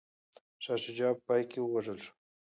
شاه شجاع په پای کي ووژل شو.